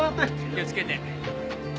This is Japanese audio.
気をつけて。